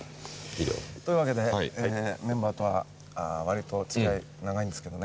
というわけでメンバーとは割とつきあい長いんですけどね。